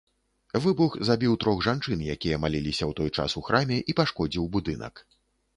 Выбух забіў трох жанчын, якія маліліся ў той час у храме, і пашкодзіў будынак.